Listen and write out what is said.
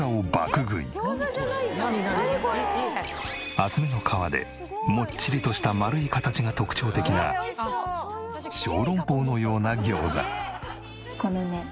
厚めの皮でもっちりとした丸い形が特徴的な小籠包のような餃子。